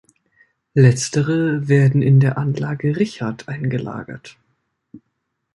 Letztere werden in der "Anlage Richard" eingelagert.